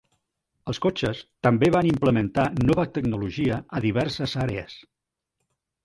Els cotxes també van implementar nova tecnologia a diverses àrees.